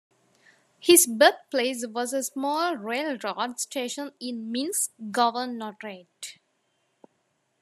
His birthplace was a small railroad station in Minsk Governorate.